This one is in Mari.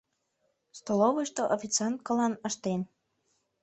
Столовойышто официанткылан ыштен.